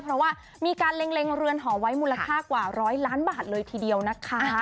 เพราะว่ามีการเล็งเรือนหอไว้มูลค่ากว่าร้อยล้านบาทเลยทีเดียวนะคะ